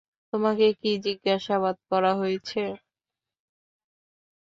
তোমাকে কী জিজ্ঞাসাবাদ করা হয়েছে?